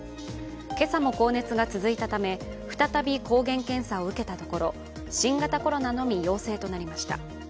今朝も高熱が続いたため再び抗原検査を受けたところ、新型コロナのみ陽性となりました。